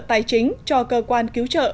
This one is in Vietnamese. tài chính cho cơ quan cứu trợ